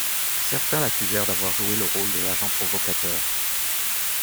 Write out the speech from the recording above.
Certains l'accusèrent d'avoir joué le rôle de l'agent provocateur.